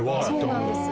そうなんです。